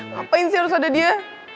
ngapain sih harus ada dia